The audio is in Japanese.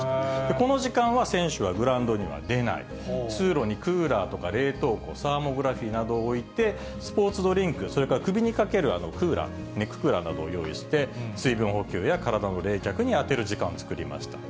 この時間は選手はグラウンドには出ない、通路にクーラーとか冷凍庫、サーモグラフィーなどを置いて、スポーツドリンク、それから首にかけるクーラー、ネッククーラーなどを用意して、水分補給や体の冷却に充てる時間を作りました。